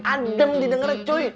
adem didengarnya cuy